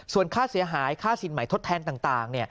ส่วนค่าเสียหายค่าสินใหม่ทดแทนต่าง